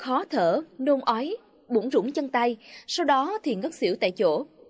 ó thở nôn ói bụng rủng chân tay sau đó thì ngất xỉu tại chỗ